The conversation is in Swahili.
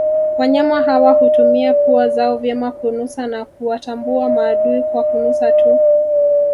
Wanyama hawa hutumia pua zao vyema kunusa na huwatambua maadui kwa kunusa tuu